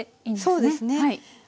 そうですね。